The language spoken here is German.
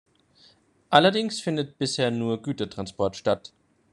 Allerdings findet bisher nur Gütertransport statt.